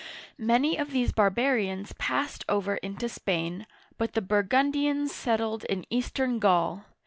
Many of these barbarians passed over into Spain, but the Burgundians settled in eastern Gaul.